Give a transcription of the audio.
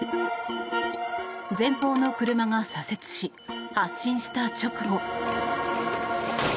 前方の車が左折し発進した直後。